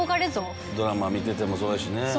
ドラマ見ててもそうやしね。